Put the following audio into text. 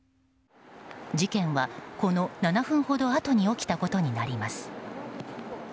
事件は、この７分ほどあとに起きたことになります。